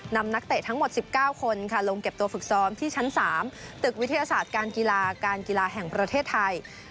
นักเตะทั้งหมด๑๙คนลงเก็บตัวฝึกซ้อมที่ชั้น๓ตึกวิทยาศาสตร์การกีฬาการกีฬาแห่งประเทศไทย